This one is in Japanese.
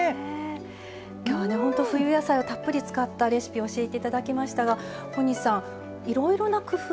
今日は冬野菜をたっぷり使ったレシピを教えて頂きましたが小西さんいろいろな工夫がありましたよね。